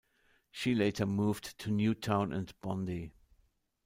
She later moved to Newtown and Bondi.